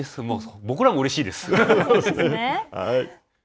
僕らもうれしいです。